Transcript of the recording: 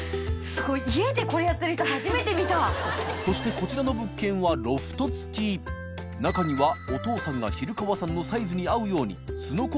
こちらの物件はロフト付き稈罎砲お父さんが蛭川さんのサイズに合うように垢里海